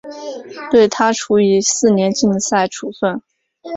对她处以四年禁赛处分。